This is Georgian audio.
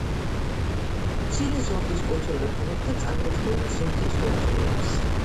მცირე ზონდის კუნძულებთან ერთად წარმოქმნიან ზონდის კუნძულებს.